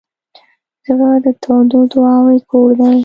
زړه د تودو دعاوو کور دی.